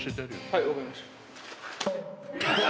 はい分かりました。